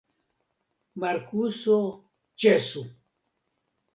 Markuso, ĉesu!